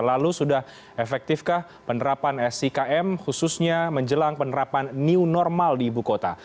lalu sudah efektifkah penerapan sikm khususnya menjelang penerapan new normal di ibu kota